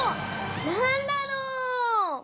なんだろう？